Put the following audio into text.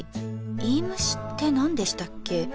いいむしって何でしたっけ。